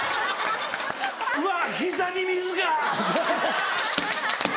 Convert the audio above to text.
うわ膝に水が！